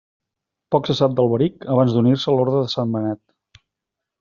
Poc se sap d'Alberic abans d'unir-se a l'Orde de Sant Benet.